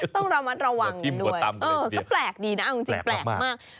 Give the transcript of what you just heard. ต้องระวังดีด้วยก็แปลกดีนะผมจริงแปลกมาก